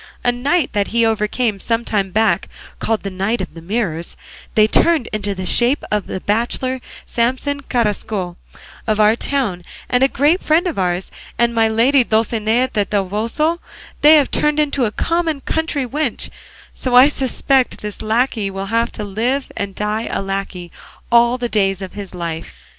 A knight that he overcame some time back, called the Knight of the Mirrors, they turned into the shape of the bachelor Samson Carrasco of our town and a great friend of ours; and my lady Dulcinea del Toboso they have turned into a common country wench; so I suspect this lacquey will have to live and die a lacquey all the days of his life."